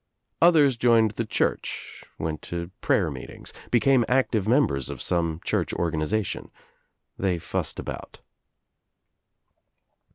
Others joined the church, went to prayer meetings, became active mem. bcrs of some church organization. They fussed about.